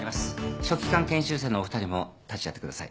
書記官研修生のお二人も立ち会ってください。